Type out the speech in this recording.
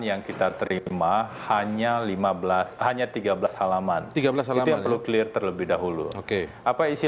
yang kita terima hanya lima belas hanya tiga belas halaman tiga belas itu yang perlu clear terlebih dahulu oke apa isi